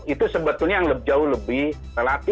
itu sebetulnya yang jauh lebih relatif